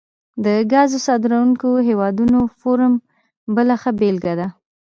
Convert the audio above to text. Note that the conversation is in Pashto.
د ګازو صادرونکو هیوادونو فورم بله ښه بیلګه ده